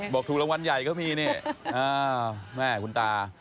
ถูกรางวัลใหญ่ก็มีนี่อ้าวแม่คุณตา